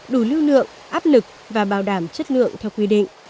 đủ lưu lượng áp lực và bảo đảm chất lượng theo quy định